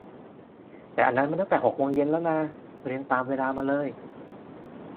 แต่อันนั้นมันตั้งแต่หกโมงเย็นแล้วนา เรียงตามเวลามาเลย